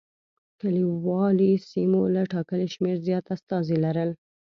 کلیوالي سیمو له ټاکلي شمېر زیات استازي لرل.